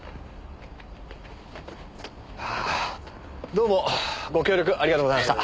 どうもご協力ありがとうございました。